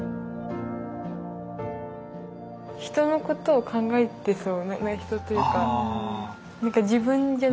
人のことを考えてそうな人というか。